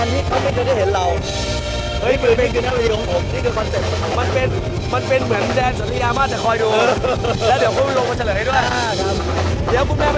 นี่คือคนเต็ปอะไรนะ